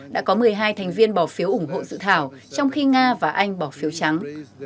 đã có một mươi hai thành viên bỏ phiếu ủng hộ dự thảo trong khi nga và anh bỏ phiếu trắng